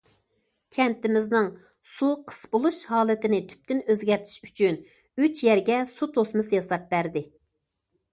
كەنتىمىزنىڭ سۇ قىس بولۇش ھالىتىنى تۈپتىن ئۆزگەرتىش ئۈچۈن ئۈچ يەرگە سۇ توسمىسى ياساپ بەردى.